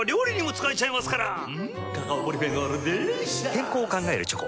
健康を考えるチョコ。